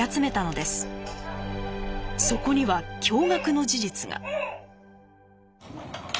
そこには驚がくの事実が。